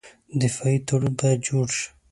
دفاعي تړون باید جوړ شي.